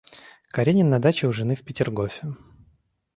Каренин на даче у жены в Петергофе.